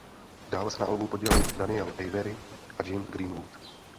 Dále se na albu podíleli Daniel Avery a James Greenwood.